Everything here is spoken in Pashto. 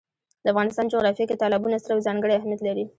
د افغانستان جغرافیه کې تالابونه ستر او ځانګړی اهمیت لري.